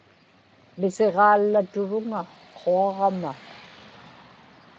misiġaallaturuŋa quaġama